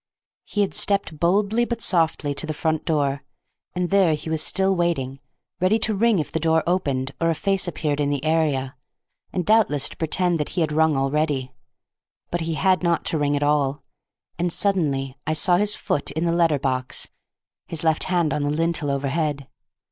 He had stepped boldly but softly to the front door, and there he was still waiting, ready to ring if the door opened or a face appeared in the area, and doubtless to pretend that he had rung already. But he had not to ring at all; and suddenly I saw his foot in the letter box, his left hand on the lintel overhead.